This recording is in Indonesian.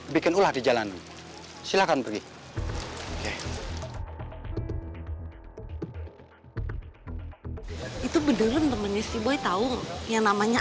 bikin ulah di jalanan silahkan pergi itu beneran temennya si boy tahu yang namanya